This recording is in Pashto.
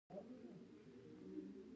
زه غواړم ډاکټر شم.